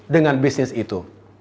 dengan bisnis itu